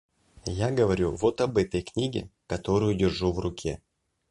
Я говорю вот об этой книге, которую держу в руке.